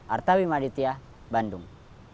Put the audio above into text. artawi maditya bandung